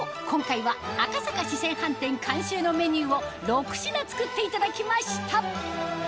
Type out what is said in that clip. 今回は赤坂四川飯店監修のメニューを６品作っていただきました